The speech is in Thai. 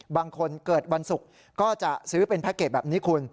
บางคนเกิดวันศุกร์ก็จะซื้อเป็นแพ็คเกจแบบนี้คุณ